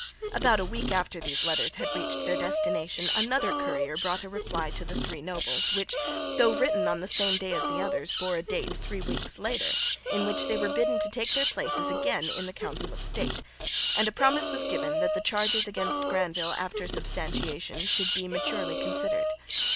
About a week after these letters had reached their destination another courier brought a reply to the three nobles, which, though written on the same day as the others, bore a date three weeks later, in which they were bidden to take their places again in the Council of State, and a promise was given that the charges against Granvelle after substantiation should be maturely considered.